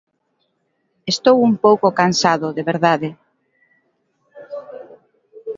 Estou un pouco cansado, de verdade.